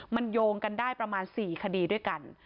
มันโยงกันได้ประมาณ๔คดีด้วยกัน